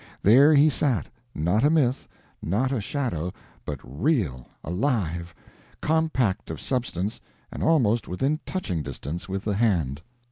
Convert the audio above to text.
There he sat not a myth, not a shadow, but real, alive, compact of substance, and almost within touching distance with the hand.